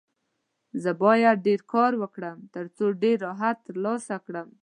زه باید ډېر کار وکړم، ترڅو ډېر راحت ترلاسه کړم.